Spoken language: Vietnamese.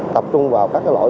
tập trung vào các loại